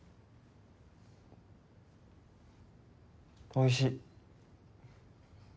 おいしい。